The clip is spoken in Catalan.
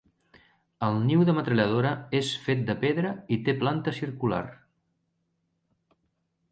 El niu de metralladora és fet de pedra i té planta circular.